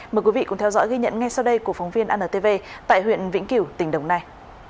mời quý vị cùng theo dõi ghi nhận ngay sau đây của phóng viên antv tại huyện vĩnh kiểu tỉnh đồng nai